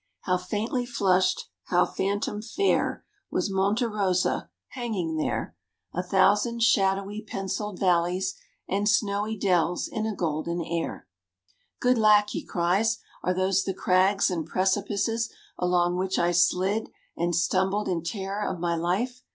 "How faintly flushed, how phantom fair, Was Monte Rosa, hanging there A thousand shadowy pencil'd valleys, And snowy dells in a golden air." Good lack! he cries, are those the crags and precipices along which I slid and stumbled in terror of my life?